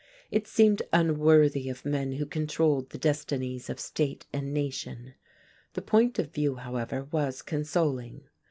It seemed unworthy of men who controlled the destinies of state and nation. The point of view, however, was consoling.